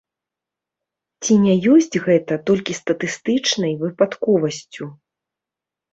Ці не ёсць гэта толькі статыстычнай выпадковасцю?